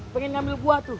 pengen ngambil gua tuh